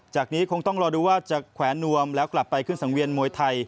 นี้คงต้องรอดูว่าจะแขวนนวมแล้วกลับไปขึ้นสังเวียนมวยไทย